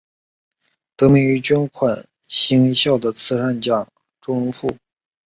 得名于捐款兴校的慈善家周荣富。